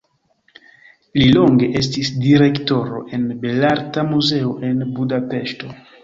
Li longe estis direktoro en Belarta Muzeo en Budapeŝto.